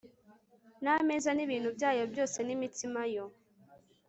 n ameza n ibintu byayo byose n imitsima yo